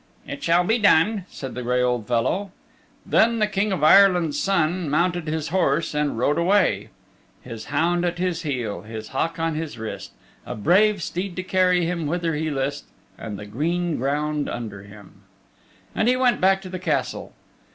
"It shall be done," said the gray old fellow. Then the King of Ireland's Son mounted his horse and rode away His hound at his heel, His hawk on his wrist; A brave steed to carry him whither he list, And the green ground under him, and he went back to the Castle.